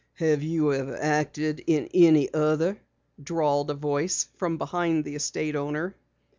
"Have you ever acted in any other?" drawled a voice from behind the estate owner.